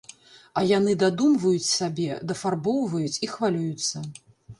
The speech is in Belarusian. А яны дадумваюць сабе, дафарбоўваюць і хвалююцца.